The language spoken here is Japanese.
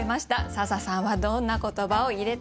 笹さんはどんな言葉を入れたのか教えて下さい。